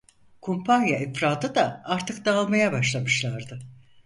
Kumpanya efradı da artık dağılmaya başlamışlardı.